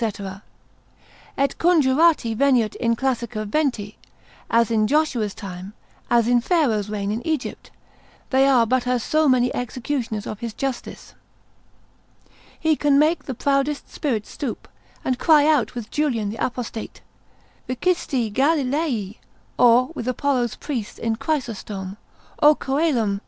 Et conjurati veniunt in classica venti: as in Joshua's time, as in Pharaoh's reign in Egypt; they are but as so many executioners of his justice. He can make the proudest spirits stoop, and cry out with Julian the Apostate, Vicisti Galilaee: or with Apollo's priest in Chrysostom, O coelum!